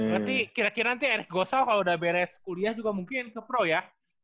berarti kira kira nanti erick gosa kalau udah beres kuliah juga mungkin kepro ya